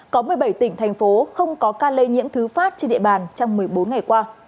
có một mươi bảy tỉnh thành phố không có ca lây nhiễm thứ phát trên địa bàn trong một mươi bốn ngày qua